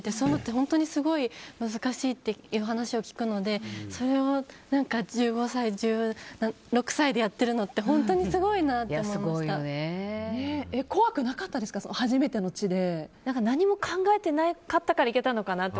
本当にすごい難しいっていう話を聞くのでそれを１５歳、１６歳でやってるのって怖くなかったですか何も考えてなかったからいけたのかなと。